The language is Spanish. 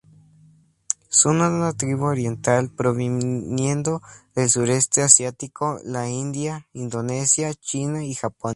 Son una tribu oriental, proviniendo del sureste asiático, la India, Indonesia, China y Japón.